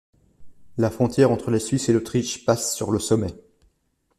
La frontière entre la Suisse et l'Autriche passe sur le sommet.